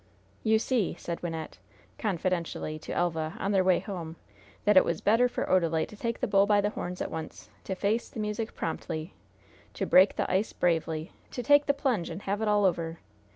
"You see," said Wynnette, confidentially, to Elva, on their way home, "that it was better for Odalite to take the bull by the horns at once to face the music promptly to break the ice bravely to take the plunge and have it all over!